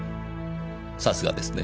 さすがですね。